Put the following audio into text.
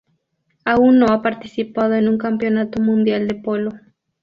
Aún no ha participado en un Campeonato Mundial de Polo.